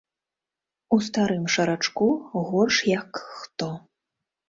У старым шарачку, горш як хто.